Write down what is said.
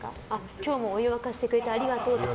今日もお湯沸かしてくれてありがとうとか。